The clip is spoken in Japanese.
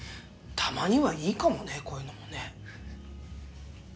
たまにはいいかもねこういうのもね。